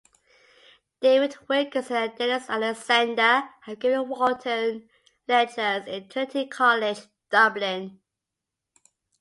David Wilkinson and Denis Alexander have given Walton Lectures in Trinity College, Dublin.